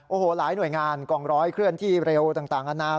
โอ้โหหลายหน่วยงานกองร้อยเคลื่อนที่เร็วต่างอาณา